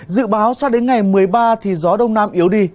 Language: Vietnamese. dự báo sao đến ngày một mươi ba thì gió đông nam yếu đi